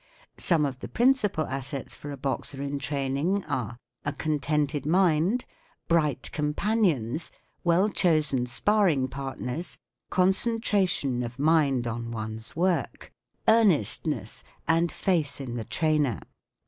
Some of the principal assets for a boxer in training are : a contented mind, bright companions, well chosen sparring partners, concentration of mind on one's work, earnestness, and faith in the trainer.